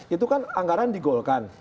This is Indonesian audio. itu kan anggaran digolkan